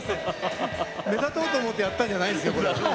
目立とうと思ってやったんじゃないですよ。